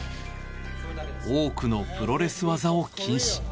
多くのプロレス技を禁止。